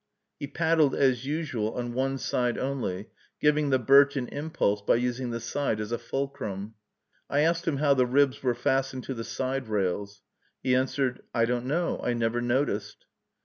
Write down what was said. He paddled, as usual, on one side only, giving the birch an impulse by using the side as a fulcrum. I asked him how the ribs were fastened to the side rails. He answered, "I don't know, I never noticed."